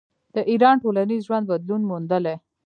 د ایران ټولنیز ژوند بدلون موندلی.